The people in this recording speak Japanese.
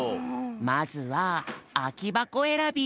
まずはあきばこえらび！